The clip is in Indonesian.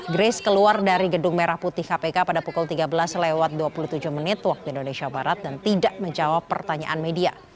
grace keluar dari gedung merah putih kpk pada pukul tiga belas lewat dua puluh tujuh menit waktu indonesia barat dan tidak menjawab pertanyaan media